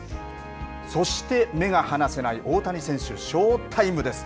そして目が離せない大谷選手、ショータイムです。